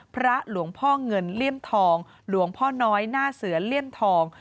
หลวงพ่อเงินเลี่ยมทองหลวงพ่อน้อยหน้าเสือเลี่ยมทอง